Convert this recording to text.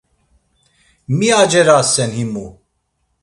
“Mi acerasen himu?”